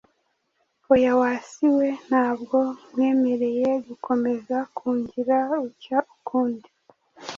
Oya wa si we! Nta bwo nkwemereye gukomeza kungira utya ukundi.